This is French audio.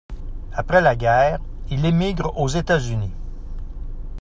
Après la guerre, il émigre aux États-Unis.